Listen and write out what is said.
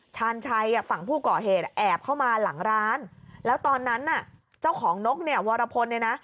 ชาญชัยฝั่งผู้ก่อเหตุแอบเข้ามาหลังร้านแล้วตอนนั้นน่ะเจ้าของนกเนี่ยวรพลเนี่ยนะ